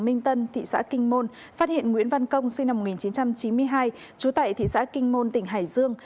minh tân thị xã kinh môn phát hiện nguyễn văn công sinh năm một nghìn chín trăm chín mươi hai trú tại thị xã kinh môn tỉnh hải dương